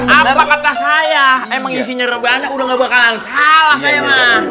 nah apa kata saya emang isinya rebahannya udah gak bakalan salah saya mah